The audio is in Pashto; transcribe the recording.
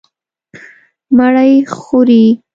_مړۍ خورې؟